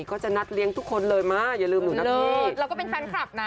ก็จะนัดเลี้ยงทุกคนเลยมาอย่าลืมหนูนะพี่เราก็เป็นแฟนคลับนะ